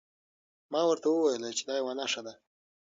ما ورته وویل چې دا یوه نښه ده.